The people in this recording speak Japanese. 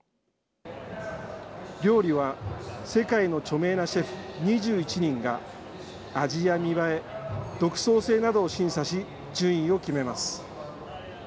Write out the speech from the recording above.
料理は、世界の著名なシェフ２１人が、味や見栄え、独創性などを審査し、順位を決めます。